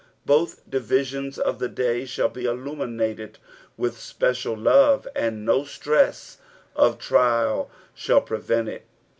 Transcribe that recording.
Both divisions of the day shall be illuminated with special love, and no stress of trial shall prevent it.